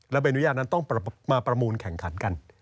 และใบอนุญาตนั้นต้องมาประมูลแข่งขันกัน